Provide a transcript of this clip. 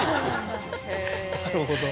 なるほど。